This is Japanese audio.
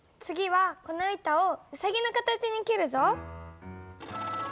次はこの板をうさぎの形に切るぞ。